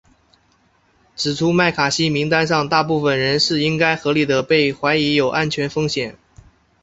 指出麦卡锡名单上大部分人是应该合理地被怀疑有安全风险。